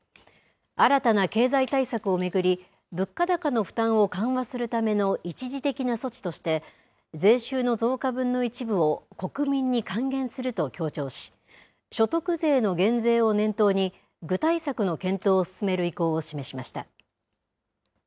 新たな経済対策を巡り、物価高の負担を緩和するための一時的な措置として、税収の増加分の一部を国民に還元すると強調し、所得税の減税を念頭に、具体策の検討を進める意向を示しました。